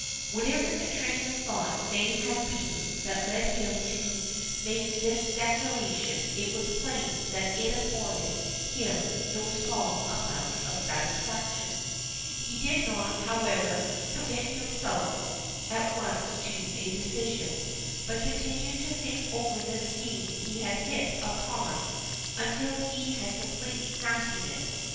Whatever the train of thought may have been that led him to make this declaration, it was plain that it afforded him no small amount of satisfaction. He did not, however, commit himself at once to a decision, but continued to think over the scheme he had hit upon until he had completely mastered it.